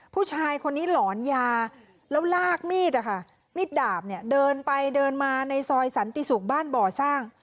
ผู้ชายคนนี้หลอนยาแล้วลากมีดนะคะมีดดาบเนี่ยเดินไปเดินมาในซอยสันติศุกร์บ้านบ่อสร้าง